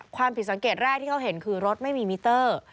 ความผิดสังเกตแรกที่เขาเห็นคือรถไม่มีมิเตอร์